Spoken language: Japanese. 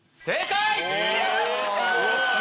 正解！